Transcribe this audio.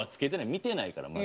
見てないからまず。